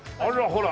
ほら。